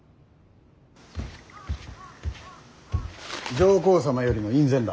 上皇様よりの院宣だ。